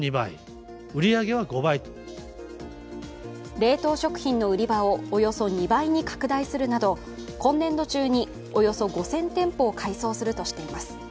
冷凍食品の売り場をおよそ２倍に拡大するなど今年度中におよそ５０００店舗を改装するとしています。